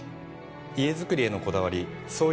家づくりへのこだわり創業